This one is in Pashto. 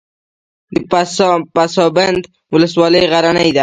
د پسابند ولسوالۍ غرنۍ ده